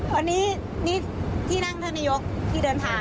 วันนี้นี่ที่นั่งท่านนายกที่เดินทาง